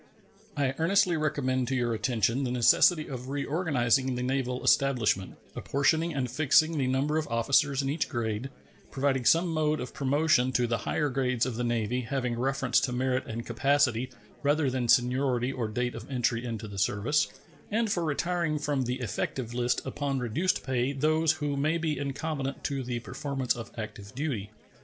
I earnestly recommend to your attention the necessity of reorganizing the naval establishment, apportioning and fixing the number of officers in each grade, providing some mode of promotion to the higher grades of the Navy having reference to merit and capacity rather than seniority or date of entry into the service, and for retiring from the effective list upon reduced pay those who may be incompetent to the performance of active duty.